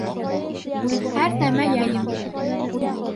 Һәр нәмә яйы менән